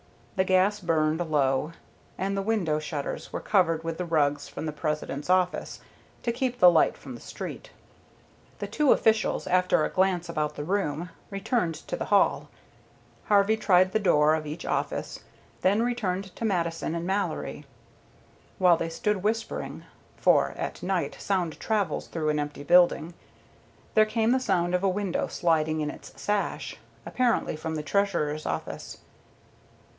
The gas burned low, and the window shutters were covered with the rugs from the President's office, to keep the light from the street. The two officials, after a glance about the room, returned to the hall. Harvey tried the door of each office, then returned to Mattison and Mallory. While they stood whispering, for at night sound travels through an empty building, there came the sound of a window sliding in its sash, apparently from the Treasurer's office.